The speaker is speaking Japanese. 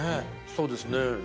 そうですね。